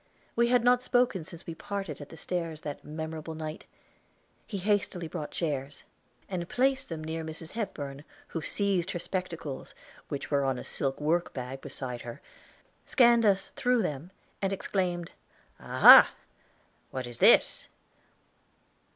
We had not spoken since we parted at the stairs that memorable night. He hastily brought chairs, and placed them near Mrs. Hepburn, who seized her spectacles, which were on a silk workbag beside her, scanned us through them, and exclaimed, "Ah ha! what is this?"